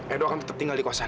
edo akan tetap tinggal di kosan